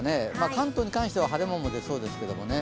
関東に関しては晴れ間も出そうですけどね。